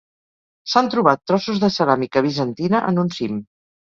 S'han trobat trossos de ceràmica bizantina en un cim.